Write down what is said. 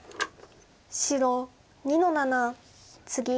白２の七ツギ。